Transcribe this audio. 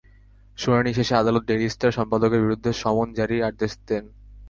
শুনানি শেষে আদালত ডেইলি স্টার সম্পাদকের বিরুদ্ধে সমন জারির আদেশ দেন।